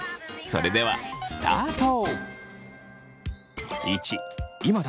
それではスタート！